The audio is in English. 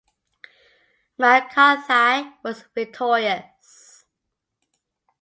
MacCarthaigh was victorious.